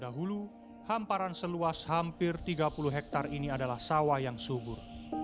dahulu hamparan seluas hampir tiga puluh hektare ini adalah sawah yang subur